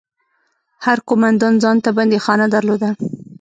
هر قومندان ځان ته بنديخانه درلوده.